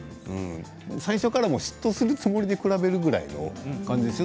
最初から嫉妬するつもりで比べるぐらいな感じですよね。